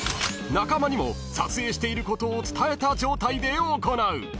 ［中間にも撮影していることを伝えた状態で行う］